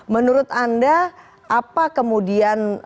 menurut anda apa kemudian